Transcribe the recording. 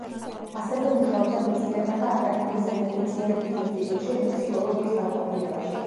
ასევე მუშაობდა მეცნიერებათა აკადემიის ენათმეცნიერების ინსტიტუტში ლექსიკოლოგიის განყოფილებაში.